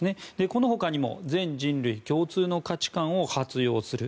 この他にも全人類共通の価値観を発揚する。